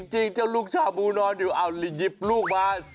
จริงเจ้าลูกชาบูนอนอยู่เอาหยิบลูกมา